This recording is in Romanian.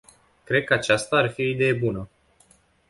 Cred că aceasta ar fi o idee bună.